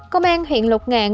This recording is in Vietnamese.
công an huyện lục ngàn